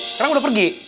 sekarang udah pergi